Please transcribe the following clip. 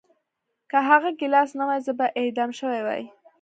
که هغه ګیلاس نه وای زه به اعدام شوی وای